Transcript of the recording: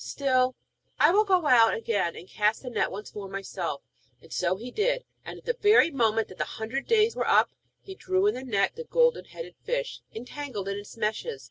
Still, I will go out again, and cast the net once more myself.' And so he did, and at the very moment that the hundred days were up, he drew in the net with the Golden headed Fish entangled in its meshes.